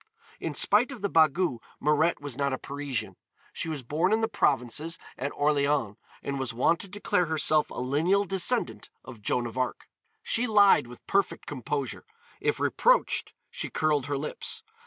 In spite of the bagou Mirette was not a Parisian. She was born in the provinces, at Orléans, and was wont to declare herself a lineal descendant of Joan of Arc. She lied with perfect composure; if reproached she curled her lips.